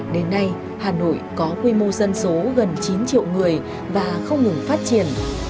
đến nay hà nội có quy mô dân số gần chín triệu người và không ngừng phát triển